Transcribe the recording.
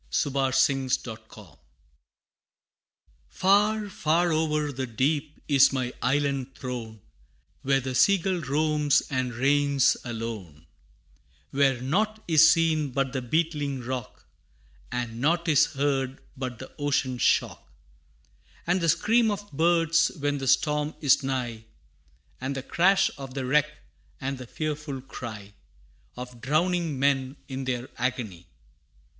[Illustration: The Sea Bird] Far, far o'er the deep is my island throne, Where the sea gull roams and reigns alone; Where nought is seen but the beetling rock, And nought is heard but the ocean shock, And the scream of birds when the storm is nigh, And the crash of the wreck, and the fearful cry Of drowning men, in their agony.